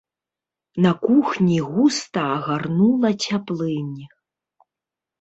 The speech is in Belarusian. На кухні густа агарнула цяплынь.